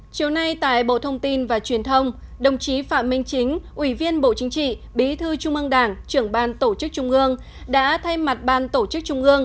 chiều nay tại bộ thông tin và truyền thông đồng chí phạm minh chính ủy viên bộ chính trị bí thư trung ương đảng trưởng ban tổ chức trung ương